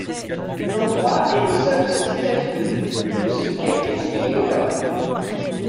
L'endroit est le seul aux Etats-Unis ou pousse le cactus tuyau d'orgue.